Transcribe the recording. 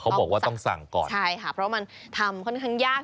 บอกว่าต้องสั่งก่อนใช่ค่ะเพราะมันทำค่อนข้างยาก